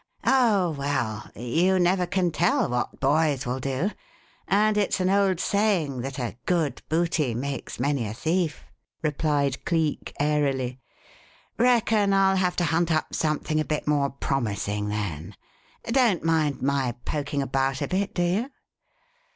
"Oh, well, you never can tell what boys will do; and it's an old saying that 'a good booty makes many a thief,'" replied Cleek airily. "Reckon I'll have to hunt up something a bit more promising, then. Don't mind my poking about a bit, do you?"